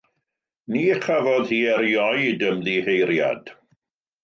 Ni chafodd hi erioed ymddiheuriad.